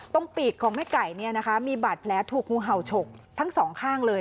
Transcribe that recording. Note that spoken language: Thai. ต้องปีกของแม่ไก่นี่นะคะมีบัดแผลถูกงูเห่าฉกทั้งสองข้างเลย